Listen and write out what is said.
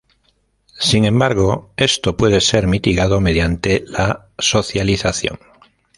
Sin embargo, esto puede ser mitigado mediante la socialización.